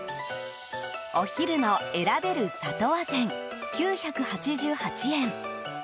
お昼の選べるさと和膳９８８円。